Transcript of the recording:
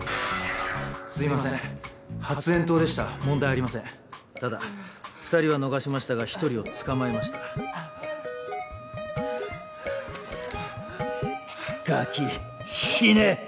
すいません発煙筒でした問題ありませただ２人は逃しましたが１人を捕まえガキ死ね。